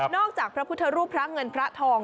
จากพระพุทธรูปพระเงินพระทอง